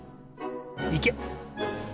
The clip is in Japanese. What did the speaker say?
いけ！